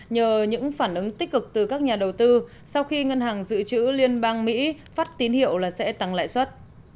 nhờ những phản ứng tích cực từ các nhà đầu tư sau khi ngân hàng dự trữ liên bang mỹ phát tín hiệu là sẽ tăng lãi suất